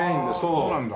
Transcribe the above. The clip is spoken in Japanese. ああそうなんだ。